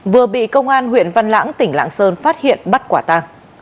vừa bị công an huyện văn lãng tỉnh lạng sơn phát hiện bắt quả ta